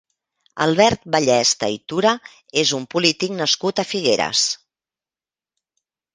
Albert Ballesta i Tura és un polític nascut a Figueres.